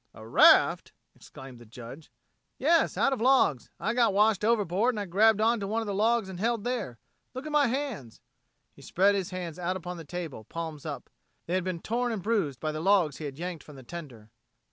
"A raft!" exclaimed the Judge. "Yes, out of logs. I got washed overboard and I grabbed on to one of the logs and held there. Look at my hands." He spread his hands out upon the table, palms up. They had been torn and bruised by the logs he had yanked from the tender.